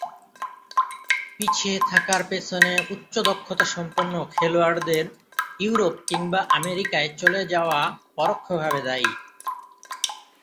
পিছিয়ে থাকার পেছনে উচ্চ দক্ষতা সম্পন্ন খেলোয়াড়দের ইউরোপ কিংবা আমেরিকায় চলে যাওয়া পরোক্ষভাবে দায়ী।